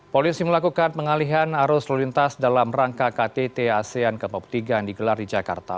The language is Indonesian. polisi melakukan pengalihan arus lalu lintas dalam rangka ktt asean ke empat puluh tiga yang digelar di jakarta